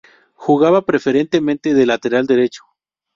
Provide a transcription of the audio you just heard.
Jugaba preferentemente de lateral derecho.